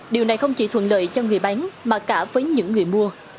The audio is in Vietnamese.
điều này không chỉ thuận lợi cho người bán mà cả với những người mua